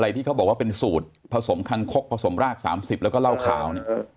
อะไรที่เขาบอกว่าเป็นสูตรผสมคังคกผสมราก๓๐แล้วก็เล่าข่าว